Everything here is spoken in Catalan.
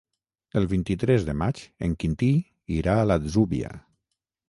El vint-i-tres de maig en Quintí irà a l'Atzúbia.